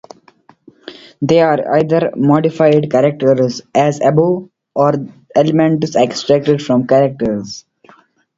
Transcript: They are either modified characters, as above, or elements extracted from characters.